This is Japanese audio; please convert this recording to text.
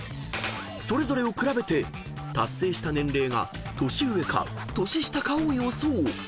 ［それぞれを比べて達成した年齢が年上か年下かを予想］